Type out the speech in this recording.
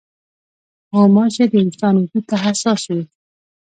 غوماشې د انسان وجود ته حساس وي.